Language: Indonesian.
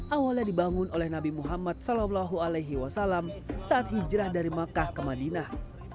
awalnya dibangun oleh nabi muhammad saw saat hijrah dari makkah ke madinah